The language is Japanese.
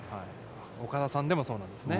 岡田さんでもそうなんですね。